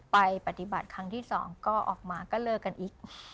ไปปฏิบัติครั้งที่๒ก็ออกมาก็เลิกกันอีก